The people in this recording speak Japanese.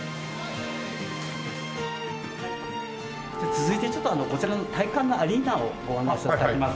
続いてちょっとこちらの体育館のアリーナをご案内させて頂きます。